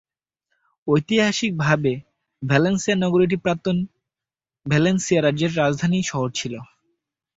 ঐতিহাসিকভাবে ভালেনসিয়া নগরীটি প্রাক্তন ভালেনসিয়া রাজ্যের রাজধানী শহর ছিল।